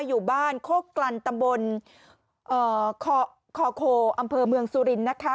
อยู่บ้านโคกลันตำบลคอโคอำเภอเมืองสุรินทร์นะคะ